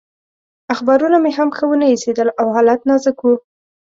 اخبارونه مې هم ښه ونه ایسېدل او حالت نازک و.